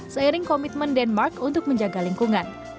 seiring komitmen denmark untuk menjaga lingkungan